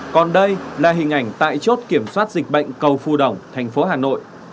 còn đây là hình ảnh tại chốt kiểm soát dịch bệnh cầu phù đồng thành phố hà nội